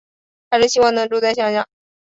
还是希望能住在乡下